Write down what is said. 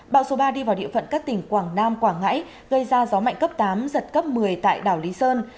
bão số ba đi vào địa phận các tỉnh quảng nam quảng ngãi gây ra gió mạnh cấp tám giật cấp một mươi tại đảo lý sơn